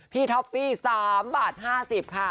ท็อปปี้๓บาท๕๐ค่ะ